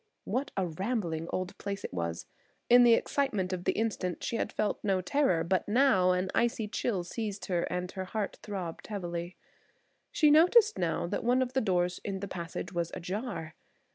What a rambling old place it was. In the excitement of the instant she had felt no terror, but now an icy chill seized her and her heart throbbed heavily. She noticed now that one of the doors in the passage was ajar!